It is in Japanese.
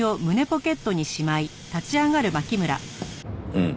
うん。